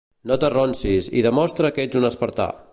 No t'arronsis, i demostra que ets un espartà!